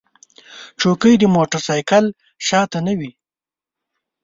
چوکۍ د موټر سایکل شا ته نه وي.